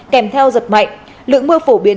kèm theo giật mạnh lượng mưa phổ biến